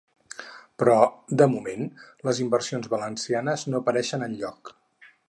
Però de moment, les inversions valencianes no apareixen enlloc.